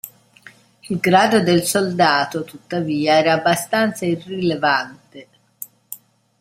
Il grado del soldato tuttavia era abbastanza irrilevante.